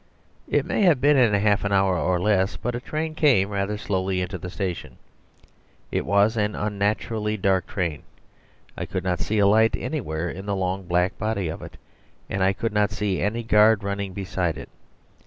It may have been in half an hour or less, but a train came rather slowly into the station. It was an unnaturally dark train; I could not see a light anywhere in the long black body of it; and I could not see any guard running beside it.